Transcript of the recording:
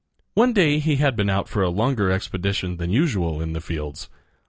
One day he had been out for a longer expedition than usual in the fields.